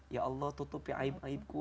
ya allah tutupi aib aibku